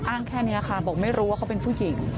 แค่นี้ค่ะบอกไม่รู้ว่าเขาเป็นผู้หญิง